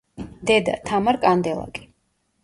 დედა: თამარ კანდელაკი.